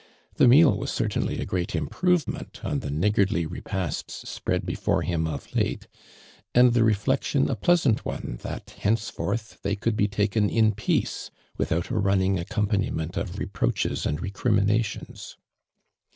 The meal was certainly a great improvement on tin) niggardly re pasts spread before him of late, and the rc tiection a pleasant one that henceforth they could bo taken in peace, without a running iiccompanhncnt of reproaches and recrimi nations.